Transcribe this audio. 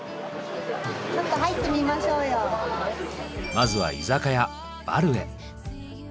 まずは居酒屋「バル」へ。